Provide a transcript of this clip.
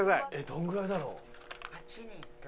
どのぐらいだろう？